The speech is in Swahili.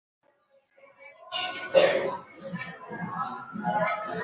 viazi vikikaa mda mrefu ardhini kukomaa sana